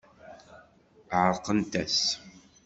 Ɛeṛqent-as.